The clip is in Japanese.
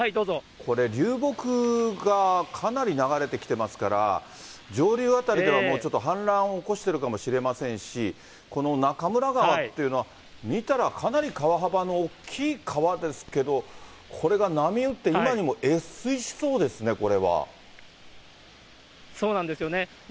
これ、流木がかなり流れてきてますから、上流辺りではもうちょっと氾濫を起こしてるかもしれませんし、このなかむら川っていうのは、見たらかなり川幅の大きい川ですけど、これが波打って、今にも越水しそうですね、そうなんですよね。